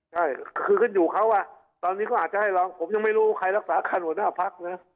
ใช่คือขึ้นอยู่เขาอ่ะตอนนี้เขาอาจจะให้เราผมยังไม่รู้ใครรักษาคันหัวหน้าพักนะ